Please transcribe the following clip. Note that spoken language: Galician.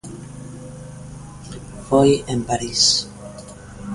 Foi en París.